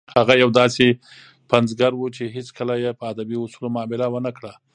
هغه یو داسې پنځګر و چې هیڅکله یې په ادبي اصولو معامله ونه کړه.